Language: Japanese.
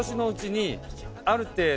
ある程度。